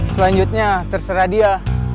selanjutnya terserah dia